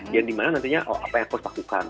yang dimana nantinya apa yang harus aku lakukan